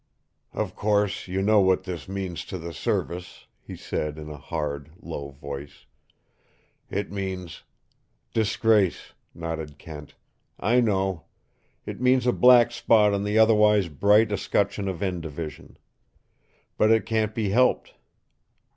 "Of course you know what this means to the Service," he said in a hard, low voice. "It means " "Disgrace," nodded Kent. "I know. It means a black spot on the otherwise bright escutcheon of N Division. But it can't be helped.